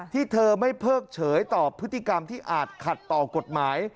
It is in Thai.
ที่เธอไม่เพิกเฉยต่อพฤติกรรมที่อาจขัดต่อกฎหมาย